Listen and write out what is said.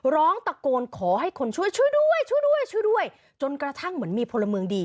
ร้องตะโกนขอให้คนช่วยช่วยด้วยช่วยด้วยช่วยด้วยจนกระทั่งเหมือนมีพลเมืองดี